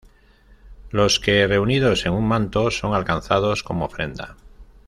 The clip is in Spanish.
Los que reunidos en un manto, son alcanzados como ofrenda.